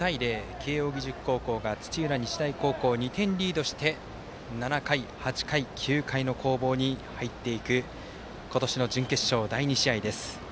慶応義塾高校が土浦日大高校を２点リードして７回、８回、９回の攻防に入っていく今年の準決勝、第２試合です。